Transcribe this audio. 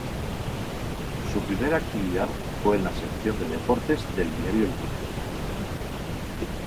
Su primera actividad fue en la sección de deportes del diario El Mundo.